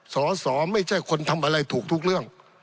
สอสอไม่ใช่คนทำอะไรถูกทุกเรื่อง